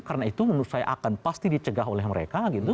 karena itu menurut saya akan pasti dicegah oleh mereka